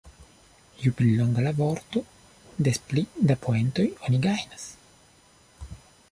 Ju pli longa la vorto, des pli da poentoj oni gajnas.